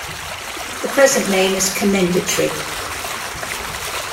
The present name is commendatory.